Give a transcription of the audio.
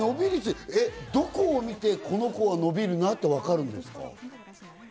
どこを見てこの子は伸びるなとわかるんですか？